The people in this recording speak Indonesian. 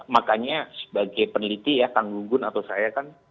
makanya sebagai peneliti ya kang gunggun atau saya kan